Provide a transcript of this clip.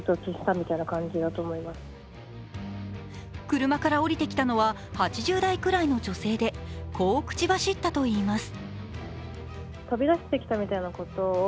車から降りてきたのは８０代くらいの女性で、こう口走ったといいます。